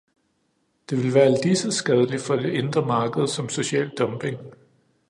Det ville være ligeså skadeligt for det indre marked som social dumping.